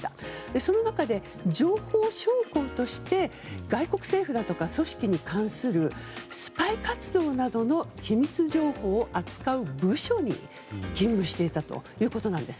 その中で、情報将校として外国政府や組織に関するスパイ活動などの機密情報を扱う部署に勤務していたということなんです。